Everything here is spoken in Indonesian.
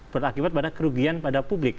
berakibat pada kerugian pada publik